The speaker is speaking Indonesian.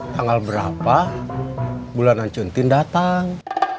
tanggal berapa bulanan cuntin datang